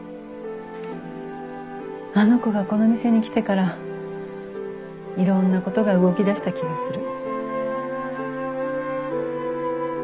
あの子がこの店に来てからいろんなことが動き出した気がする。